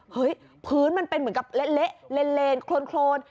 พื้นมันเป็นเหมือนกับเละเลนโครน